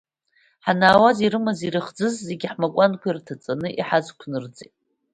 Ҳанаауаз ирымаз, ирыхӡыз зегьы ҳмакәанқәа ирҭаҵаны иҳазқәнырҵеит.